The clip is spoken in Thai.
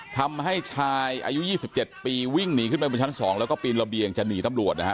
ทำให้ชายอายุ๒๗ปีวิ่งหนีขึ้นไปบนชั้น๒แล้วก็ปีนระเบียงจะหนีตำรวจนะฮะ